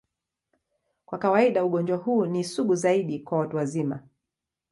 Kwa kawaida, ugonjwa huu ni sugu zaidi kwa watu wazima.